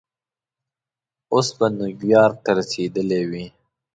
اوس به نیویارک ته رسېدلی وې.